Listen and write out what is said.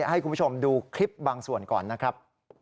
ให้คุณผู้ชมดูคลิปบางส่วนก่อนนะครับ